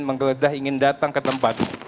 menggeledah ingin datang ke tempat